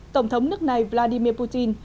tổng thống nước này vladimir putin